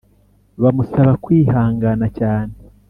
bamusaba kwihangana cyane